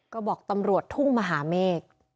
ก็บอกตำรวจทุ่งมหาเมฆ